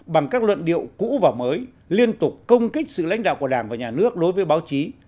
bằng các luận điệu cũ và mới liên tục công kích sự lãnh đạo của đảng và nhà nước đối với báo chí